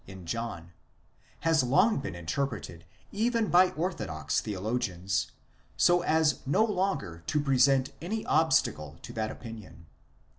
θυρῶν κεκλεισμένων in John,—has long been interpreted even by orthodox theo logians so as no longer to present any obstacle to that opinion.